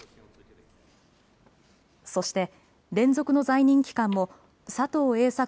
そして、連続の在任期間も佐藤栄作